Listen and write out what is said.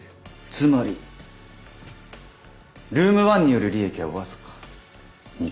つまりルーム１による利益は僅か２％。